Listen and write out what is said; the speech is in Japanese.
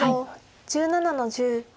白１７の十。